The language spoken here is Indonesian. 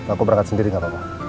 aku berangkat sendiri gak apa apa